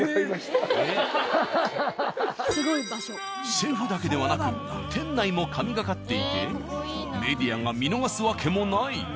シェフだけではなく店内も神がかっていてメディアが見逃すわけもない。